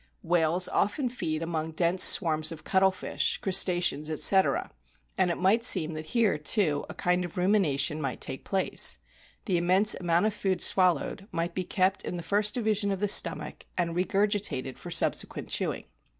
Whales often feed among dense swarms of cuttlefish, Crustaceans, etc., and it might seem that here, too, a kind of rumination might take place. The immense amount of food swallowed might be kept in the first division of the stomach and regurgitated for subsequent chewing.